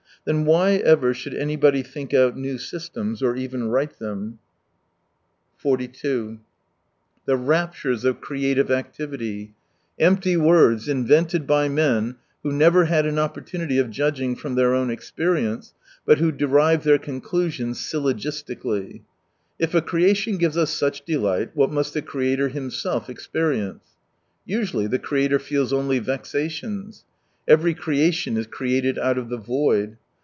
Then why ever should anybody think out new systems — or even write them ? 6i The raptures of creative activity !— empty words, invented by men who never had an opportunity of judging from their own experience, but who derive their conclusion syllogistically :" if a creation gives us such delight, what must the creator himself experience !" Usually the creator feels only vexations. Every creation is created out of the Void.